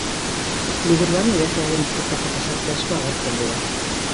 Liburuan idazlearen bizitzako pasarte asko agertzen dira.